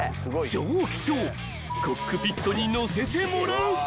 ［超貴重コックピットに乗せてもらう］